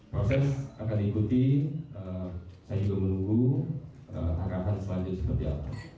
proses akan ikuti saya juga menunggu harapan selanjutnya